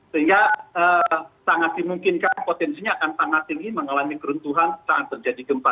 sehingga sangat dimungkinkan potensinya akan sangat tinggi mengalami keruntuhan saat terjadi gempa